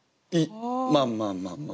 まあまあまあまあ。